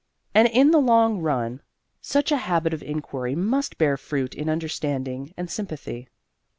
And in the long run such a habit of inquiry must bear fruit in understanding and sympathy.